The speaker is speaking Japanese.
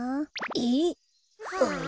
えっ？はあ。